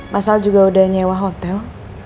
masal juga udah nyewa hotel